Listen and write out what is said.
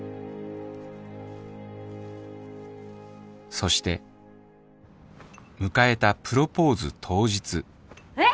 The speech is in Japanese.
そして迎えたプロポーズ当日えっ！？